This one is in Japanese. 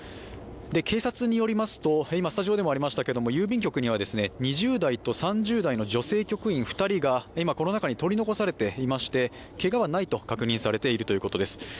警察によりますと、郵便局には２０代と３０代の女性局員２人が今、この中に取り残されていましてけがはないと確認されているということです。